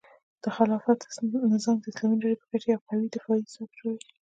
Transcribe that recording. د خلافت نظام د اسلامي نړۍ په کچه یو قوي دفاعي ځواک جوړوي.